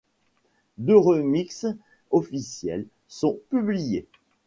Deux remixes officiels sont publiés.